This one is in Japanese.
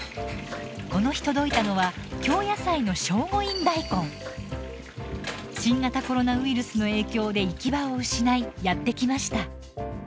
この日届いたのは京野菜の新型コロナウイルスの影響で行き場を失いやって来ました。